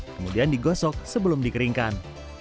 kemudian digosok sebelum dikeringkan